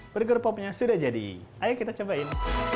burger popnya sudah jadi ayo kita cobain